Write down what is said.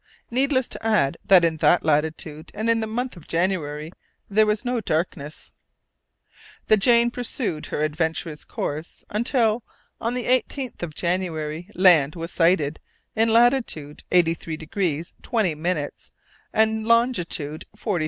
Needless to add that in that latitude and in the month of January there was no darkness. The Jane pursued her adventurous course, until, on the 18th of January, land was sighted in latitude 83° 20' and longitude 43° 5'.